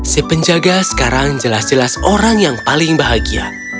si penjaga sekarang jelas jelas orang yang paling bahagia